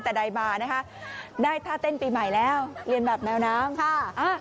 แต่ใดมานะคะได้ท่าเต้นปีใหม่แล้วเรียนแบบแมวน้ำค่ะ